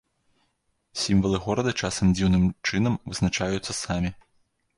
Сімвалы горада часам дзіўным чынам вызначаюцца самі.